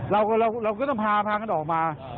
เราก็ต้องพาพากันออกมา